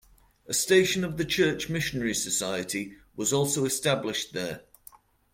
A station of the Church Missionary Society was also established there.